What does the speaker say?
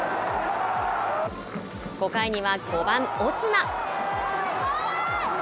５回には、５番オスナ。